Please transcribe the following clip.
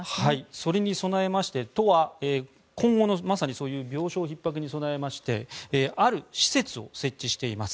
それに備えて都は今後のそういう病床ひっ迫に備えてある施設を設置しています。